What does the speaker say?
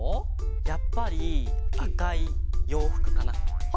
やっぱりあかいようふくかな。